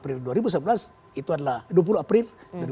dua ribu sebelas itu adalah dua puluh april